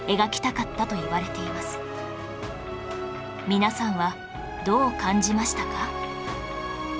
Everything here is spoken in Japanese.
皆さんはどう感じましたか？